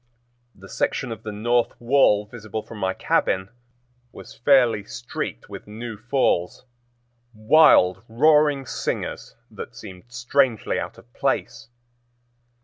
The section of the north wall visible from my cabin was fairly streaked with new falls—wild roaring singers that seemed strangely out of place.